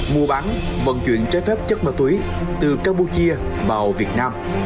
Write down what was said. mua bán vận chuyển trái phép chất ma túy từ campuchia vào việt nam